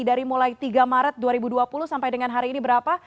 dari mulai tiga maret dua ribu dua puluh sampai dengan hari ini berapa